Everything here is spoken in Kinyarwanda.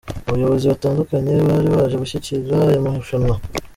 Abayobozi batandukanye bari baje gushyigikira aya marushanwa.